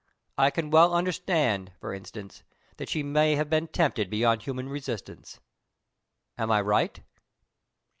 I can well understand, for instance, that she may have been tempted beyond human resistance. Am I right?"